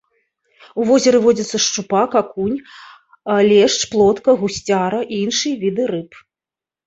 У возеры водзяцца шчупак, акунь, лешч, плотка, гусцяра і іншыя віды рыб.